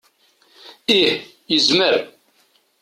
Ih, yezmer.